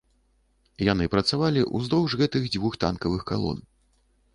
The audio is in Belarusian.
Яны працавалі ўздоўж гэтых дзвюх танкавых калон.